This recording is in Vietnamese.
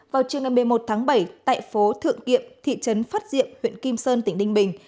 vào trường ngày một mươi một tháng bảy tại phố thượng kiệm thị trấn phát diệm huyện kim sơn tỉnh ninh bình